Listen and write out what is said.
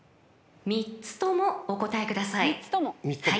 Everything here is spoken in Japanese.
［３つともお答えください］